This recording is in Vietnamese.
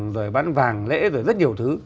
rồi bán vàng lễ rồi rất nhiều thứ